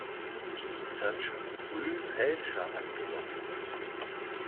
Dies hat schon früh Fälscher angelockt.